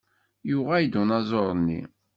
Yuɣal-d unaẓuṛ-nni.